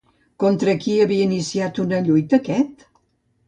Contra qui havia iniciat una lluita aquest?